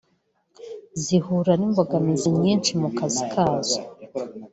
zihura n’imbogamizi nyinshi mu kazi kazo